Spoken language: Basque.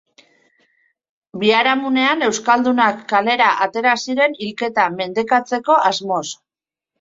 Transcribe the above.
Biharamunean, euskaldunak kalera atera ziren hilketa mendekatzeko asmoz.